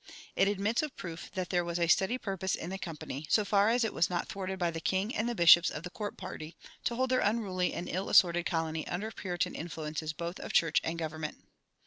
It admits of proof that there was a steady purpose in the Company, so far as it was not thwarted by the king and the bishops of the court party, to hold their unruly and ill assorted colony under Puritan influences both of church and government.